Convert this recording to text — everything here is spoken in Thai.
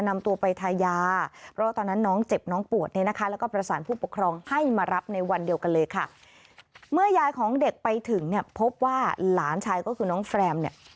เมื่อยายของเด็กไปถึงเนี่ยพบว่าหลานชายก็คือน้องเฟรมเนี่ย